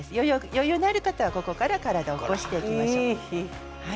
余裕がある方は、ここから体を起こしていきましょう。